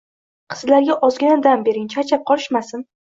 — Qizlarga ozgina dam bering, charchab qolishmasin.